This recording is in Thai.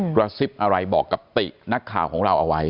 กระซิบอะไรบอกกับตินักข่าวของเราเอาไว้